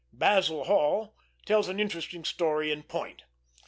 Basil Hall tells an interesting story in point.